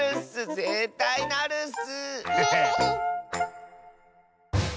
ぜったいなるッス！